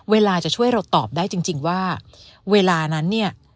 เวลาจะช่วยเราตอบได้จริงว่าเวลานั้นเนี่ย